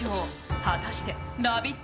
果たしてラヴィット！